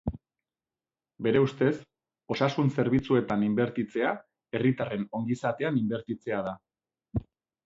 Bere ustez, osasun zerbitzuetan inbertitzea herritarren ongizatean inbertitzea da.